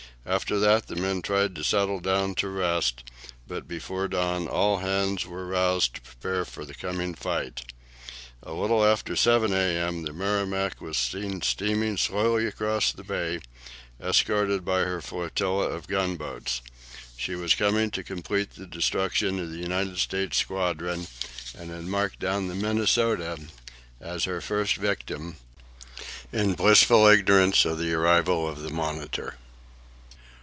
After that the men tried to settle down to rest, but before dawn all hands were roused to prepare for the coming fight. A little after 7 a.m. the "Merrimac" was seen steaming slowly across the bay, escorted by her flotilla of gunboats. She was coming to complete the destruction of the United States squadron, and had marked down the "Minnesota" as her first victim, in blissful ignorance of the arrival of the "Monitor."